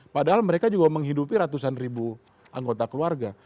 padahal mereka juga menghidupi ratusan ribu anggota keluarga